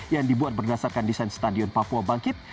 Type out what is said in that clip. yang dibuat berdasarkan desain stadion papua bangkit